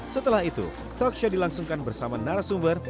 setelah itu talkshow dilangsungkan bersama narasumber